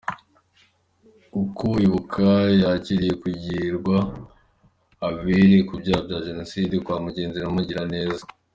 Uko Ibuka yakiriye kugirwa abere ku byaha bya Jenoside kwa Mugenzi na Mugiraneza